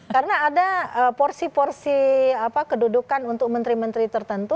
karena ada porsi porsi kedudukan untuk menteri menteri tertentu